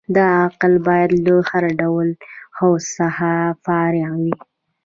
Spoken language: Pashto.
دا عقل باید له هر ډول هوس څخه فارغ وي.